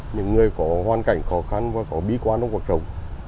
những người có hoàn cảnh khó khăn và có bí quan quan trọng